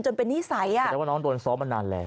เป็นนิสัยอ่ะแสดงว่าน้องโดนซ้อมมานานแล้ว